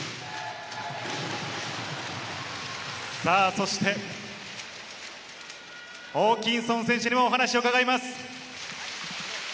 そしてホーキンソン選手にもお話を伺います。